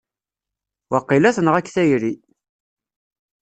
Waqila tenɣa-k tayri!